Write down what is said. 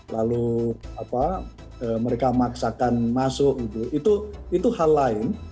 lalu mereka maksakan masuk itu hal lain